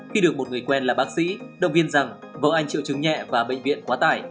khi được một người quen là bác sĩ động viên rằng vợ anh triệu chứng nhẹ và bệnh viện quá tải